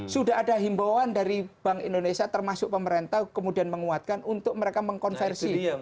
sudah ada himbauan dari bank indonesia termasuk pemerintah kemudian menguatkan untuk mereka mengkonversi